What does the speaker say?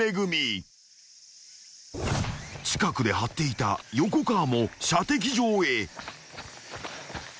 ［近くで張っていた横川も射的場へ］